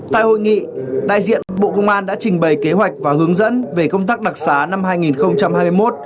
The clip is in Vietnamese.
tại hội nghị đại diện bộ công an đã trình bày kế hoạch và hướng dẫn về công tác đặc xá năm hai nghìn hai mươi một